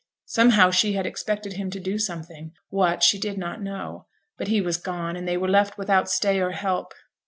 Somehow she had expected him to do something what, she did not know; but he was gone, and they were left without stay or help.